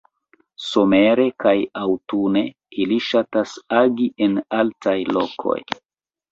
Somere kaj aŭtune ili ŝatas agi en altaj lokoj.